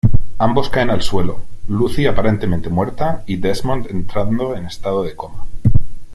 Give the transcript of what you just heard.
Ambos caen al suelo, Lucy, aparentemente muerta y Desmond entrando en estado de coma.